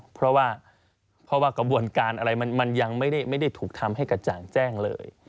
เพราะว่าเพราะว่ากระบวนการอะไรมันยังไม่ได้ถูกทำให้กระจ่างแจ้งเลย